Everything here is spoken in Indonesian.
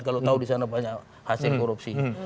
kalau tahu disana banyak hasil korupsi